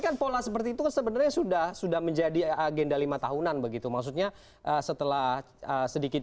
kan pola seperti itu sebenarnya sudah sudah menjadi agenda lima tahunan begitu maksudnya setelah sedikit